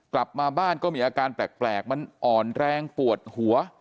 กลับมาบ้านก็มีอาการแปลกมันอ่อนแรงปวดหัว